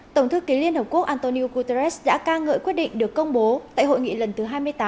tổng thư ký liên hợp quốc antonio guterres đã ca ngợi quyết định được công bố tại hội nghị lần thứ hai mươi tám